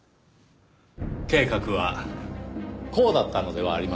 計画はこうだったのではありませんか？